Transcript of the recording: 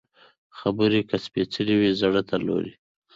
خبرې که سپېڅلې وي، زړه ته لوري